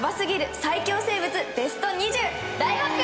最恐生物ベスト２０大発表